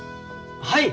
はい。